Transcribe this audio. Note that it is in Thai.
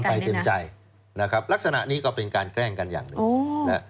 ตอนไปเต็มใจลักษณะนี้ก็เป็นการแกล้งกันอย่างหนึ่ง